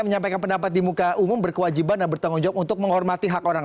menyampaikan pendapat di muka umum berkewajiban dan bertanggung jawab untuk menghormati hak orang